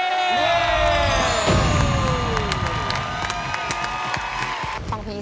โอ้โหโอ้โห